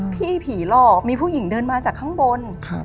พี่ผีหลอกมีผู้หญิงเดินมาจากข้างบน